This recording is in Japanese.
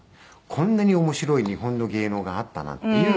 「こんなに面白い日本の芸能があったなんて」っていう